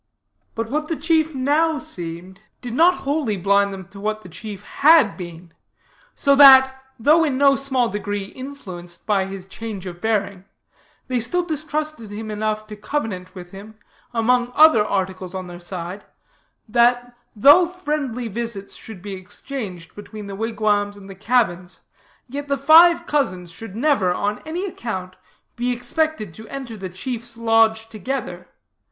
"'But what the chief now seemed, did not wholly blind them to what the chief had been; so that, though in no small degree influenced by his change of bearing, they still distrusted him enough to covenant with him, among other articles on their side, that though friendly visits should be exchanged between the wigwams and the cabins, yet the five cousins should never, on any account, be expected to enter the chief's lodge together.